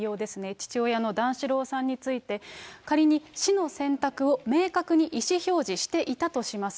父親の段四郎さんについて、仮に死の選択を明確に意思表示していたとします。